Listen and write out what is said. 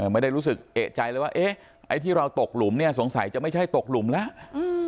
ไม่ได้รู้สึกเอกใจเลยว่าเอ๊ะไอ้ที่เราตกหลุมเนี่ยสงสัยจะไม่ใช่ตกหลุมแล้ว